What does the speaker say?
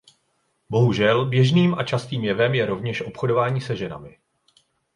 Bohužel běžným a častým jevem je rovněž obchodování se ženami.